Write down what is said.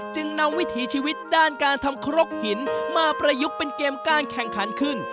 จึงนำวิถีชีวิตด้านการทำครกหินมาประยุกต์เป็นเกมการแข่งขันขึ้น